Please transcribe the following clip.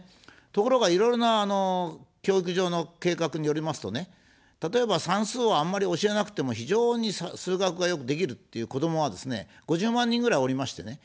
ところが、いろいろな教育上の計画によりますとね、例えば算数をあんまり教えなくても非常に数学がよくできるっていう子どもはですね、５０万人ぐらいおりましてね。